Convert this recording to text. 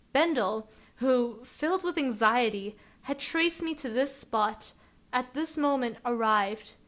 Bendel, who, filled with anxiety, had traced me to this spot, at this moment arrived.